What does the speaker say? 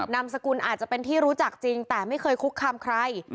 นามสกุลอาจจะเป็นที่รู้จักจริงแต่ไม่เคยคุกคามใคร